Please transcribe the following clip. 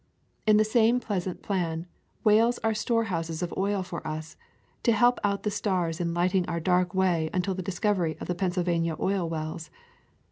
In the same pleasant plan, whales are store houses of oil for us, to help out the stars in lighting our dark ways until the discovery of the Pennsylvania oil wells.